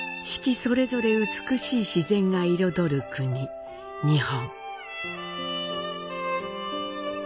それぞれ美しい自然が彩る国、日本。